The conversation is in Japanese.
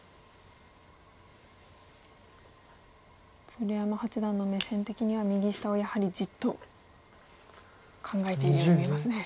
鶴山八段の目線的には右下をやはりじっと考えているように見えますね。